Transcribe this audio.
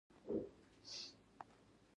په دوحه کې وکتل.